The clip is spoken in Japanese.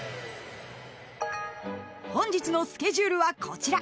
［本日のスケジュールはこちら］